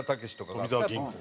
富澤銀行。